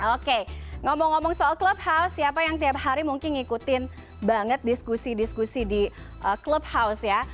oke ngomong ngomong soal clubhouse siapa yang tiap hari mungkin ngikutin banget diskusi diskusi di clubhouse ya